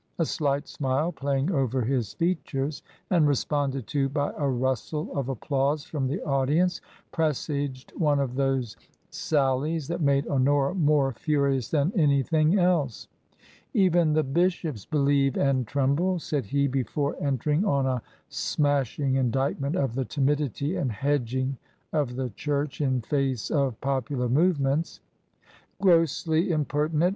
A slight smile playing over his features, and responded to by a rustle of applause from the audience, presaged one of those sallies that made Honora more furious than anything else. " Even the Bishops believe and tremble," said he, before entering on a smashing indictment of the timidity and hedging of the church in face of popular movements. "Grossly impertinent!"